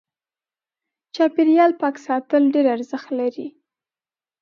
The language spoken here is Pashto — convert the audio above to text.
چاپېريال پاک ساتل ډېر ارزښت لري.